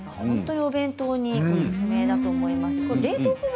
お弁当におすすめだと思います。